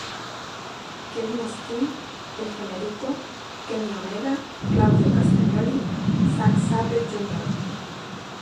Kevin Steen, El Generico, Kenny Omega, Claudio Castagnoli, Zack Sabre Jr.